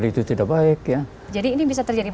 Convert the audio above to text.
itu ada di dalam tim